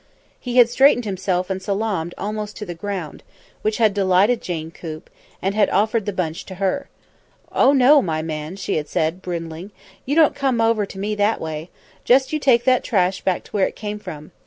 He had straightened himself and salaamed almost to the ground which had delighted Jane Coop and had offered the bunch to her. "Oh, no, my man!" she had said, bridling, "you don't come over me that way. Just you take that trash back to where it came from.